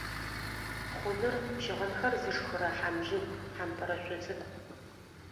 Хъуныр - щыгъынхэр зышхырэ хьамлыу, хьампӏырэшъо цӏыкӏу.